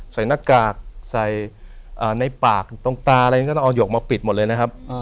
ใส่หน้ากากใส่ในปากตรงตาอะไรอย่างนี้ก็ต้องเอาหยกมาปิดหมดเลยนะครับ